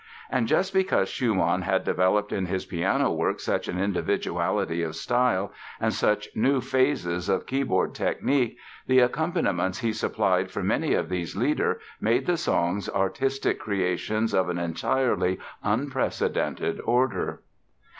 And just because Schumann had developed in his piano works such an individuality of style, and such new phases of keyboard technic the accompaniments he supplied for many of these Lieder made the songs artistic creations of an entirely unprecedented order.